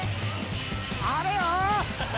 あれよ！